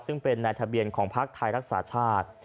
ซึ่งเป็นในทะเบียนของพักไทยรักษาชาติ